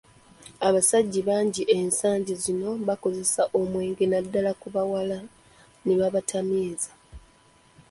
Abasajja bangi ensangi zino bakozesa omwenge naddala ku bawala ne babatamiiza.